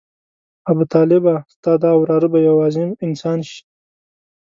ابوطالبه ستا دا وراره به یو عظیم انسان شي.